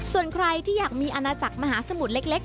ส่วนใครที่อยากมีอาณาจักรมหาสมุทรเล็ก